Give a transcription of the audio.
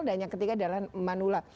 dan yang ketiga adalah manula